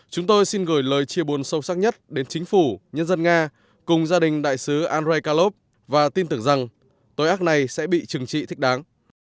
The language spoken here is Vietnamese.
chúng tôi xin gửi lời chia buồn sâu sắc nhất đến chính phủ nhân dân nga cùng gia đình đại sứ andrei kalov và tin tưởng rằng tội ác này sẽ bị trừng trị thích đáng